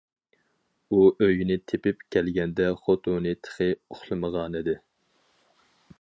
ئۇ ئۆيىنى تېپىپ كەلگەندە خوتۇنى تېخى ئۇخلىمىغانىدى.